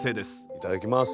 いただきます！